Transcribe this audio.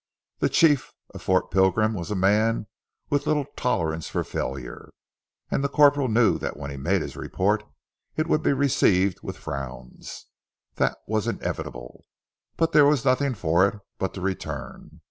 The chief of Fort Pilgrim was a man with little tolerance for failure, and the corporal knew that when he made his report it would be received with frowns. That was inevitable, but there was nothing for it but to return.